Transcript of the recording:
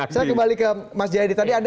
saya kembali ke mas jayadi tadi